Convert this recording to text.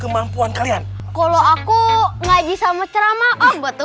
kemampuan kalian kalau aku ngaji sama ceramah om betul tidak